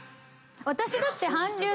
私だって。